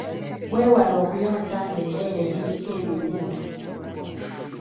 Weewale okuyonsa ng’ebbeere liriko ebiwundu.